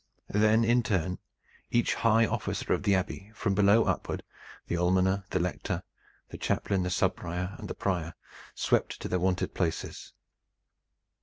Then in turn each high officer of the Abbey from below upward, the almoner, the lector, the chaplain, the subprior and the prior, swept to their wonted places.